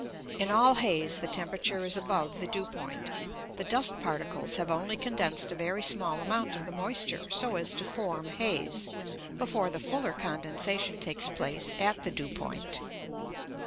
In all haze the temperature is above the dew point. The dust particles have only condensed a very small amount of the moisture so as to form haze, before the fuller condensation takes place at the dew point.